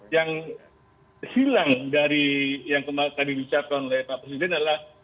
yang hilang dari yang tadi diucapkan oleh pak presiden adalah